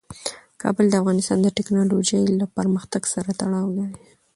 کابل د افغانستان د تکنالوژۍ له پرمختګ سره تړاو لري.